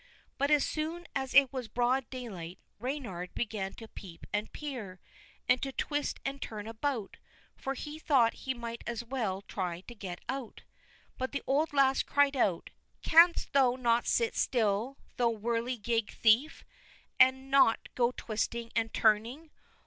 But as soon as it was broad daylight, Reynard began to peep and peer, and to twist and turn about, for he thought he might as well try to get out. But the old lass cried out: "Canst thou not sit still, thou whirligig thief, and not go twisting and turning?